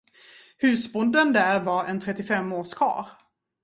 Husbonden där var en trettifem års karl.